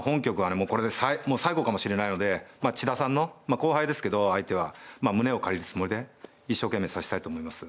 もうこれで最後かもしれないので千田さんの後輩ですけど相手はまあ胸を借りるつもりで一生懸命指したいと思いますはい。